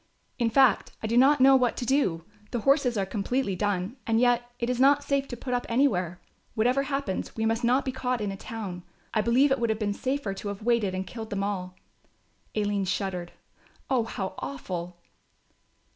In fact, I do not know what to do, the horses are completely done and yet it is not safe to put up anywhere. Whatever happens we must not be caught in a town. I believe it would have been safer to have waited and killed them all." Aline shuddered. "Oh, how awful."